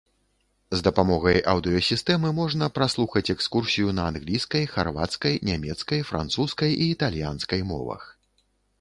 З дапамогай аўдыёсістэмы можна праслухаць экскурсію на англійскай, харвацкай, нямецкай, французскай і італьянскай мовах.